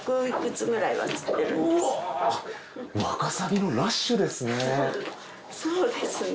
ワカサギのラッシュですね。